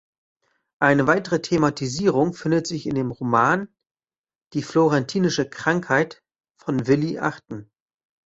Eine weitere Thematisierung findet sich in dem Roman "Die florentinische Krankheit" von Willi Achten.